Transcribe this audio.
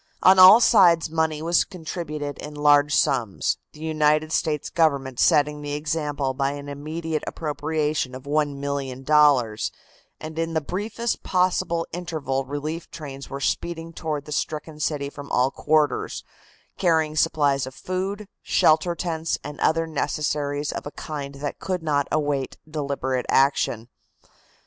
On all sides money was contributed in large sums, the United States Government setting the example by an immediate appropriation of $1,000,000, and in the briefest possible interval relief trains were speeding toward the stricken city from all quarters, carrying supplies of food, shelter tents and other necessaries of a kind that could not await deliberate action.